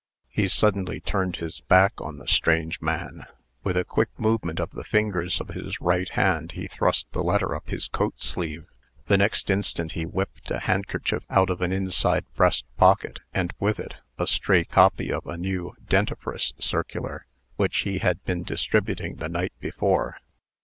He suddenly turned his back on the strange man. With a quick movement of the fingers of his right hand, he thrust the letter up his coat sleeve: The next instant he whipped a handkerchief out of an inside breast pocket, and, with it, a stray copy of a new "Dentifrice" circular, which he had been distributing the night before.